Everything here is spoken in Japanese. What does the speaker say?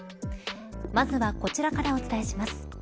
まずはこちらからお伝えします。